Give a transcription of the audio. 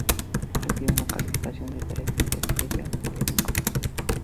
Le dio una calificación de tres estrellas de cinco posibles.